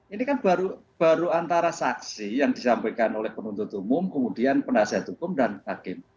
ini kan baru antara saksi yang disampaikan oleh penuntut umum kemudian penasihat hukum dan hakim